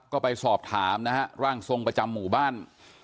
ก็ไปสอบถามนะฮะร่างทรงประจำหมู่บ้าน